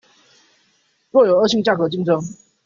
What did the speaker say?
若有惡性價格競爭